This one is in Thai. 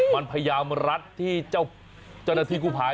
มันพยายามรัดที่เจ้าหน้าที่กู้ภัย